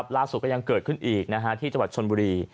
ล่าสุดก็ยังเกิดขึ้นอีกที่จังหวัดชนบุรี